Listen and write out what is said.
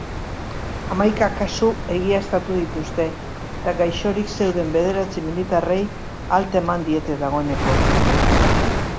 Hamaika kasu egiaztatu dituzte eta gaixorik zeuden bederatzi militarrei alta eman diete dagoeneko.